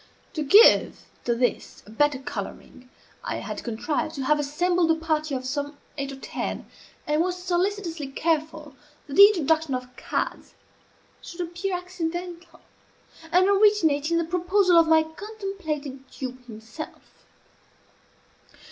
To give to this a better coloring, I had contrived to have assembled a party of some eight or ten, and was solicitously careful that the introduction of cards should appear accidental, and originate in the proposal of my contemplated dupe himself.